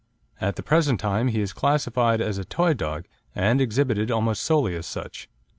At the present time he is classified as a toy dog and exhibited almost solely as such.